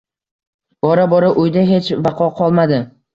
Bora-bora uyda hech vaqo qolmadi